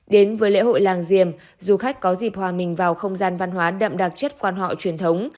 đến với lễ hội làng diềm du khách có dịp hòa mình vào không gian văn hóa đậm đặc chất quan họ truyền thống